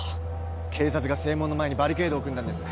警察が正門の前にバリケードを組んだんです